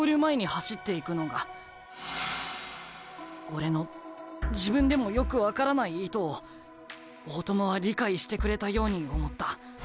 俺の自分でもよく分からない意図を大友は理解してくれたように思った。